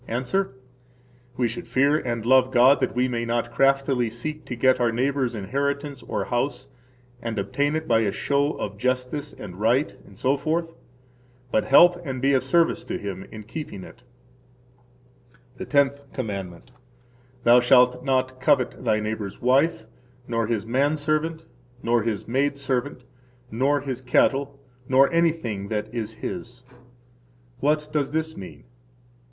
–Answer: We should fear and love God that we may not craftily seek to get our neighbor's inheritance or house, and obtain it by a show of [justice and] right, etc., but help and be of service to him in keeping it. The Tenth Commandment. Thou shalt not covet thy neighbor's wife, nor his man servant, nor his maid servant, nor his cattle, nor anything that is his. What does this mean?